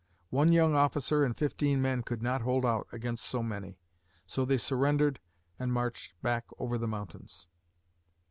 One young officer and fifty men could not hold out against so many. So they surrendered and marched back over the mountains.